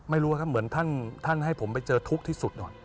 ไม่รู้ครับเหมือนท่านให้ผมไปเจอทุกข์ที่สุดก่อน